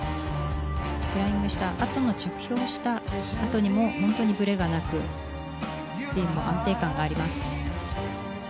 フライングしたあとの着氷したあとにも本当にぶれがなくスピンも安定感があります。